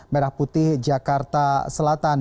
merah putih jakarta selatan